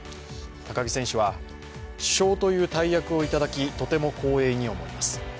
高木選手は、主将という大役をいただきとても光栄に思います。